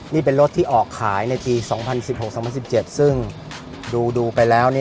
นี่เป็นรถที่ออกขายในปี๒๐๑๖๒๐๑๗ซึ่งดูไปแล้ว